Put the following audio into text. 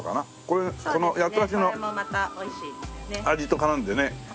この八ッ橋の味と絡んでね。